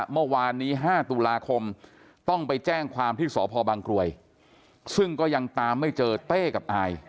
เมื่อวานนี้๕ตุลาคมต้องไปแจ้งความที่สพบังกลวยซึ่งก็ยังตามไม่เจอเต้กับอาย